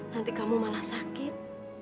nanti kamu malah sakit